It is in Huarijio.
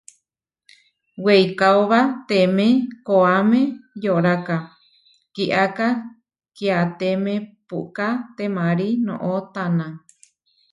Weikaóba teemé koʼáme yoráka, kiáka kiáteme puʼká temarí noʼó taná.